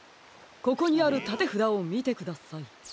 ここにあるたてふだをみてください。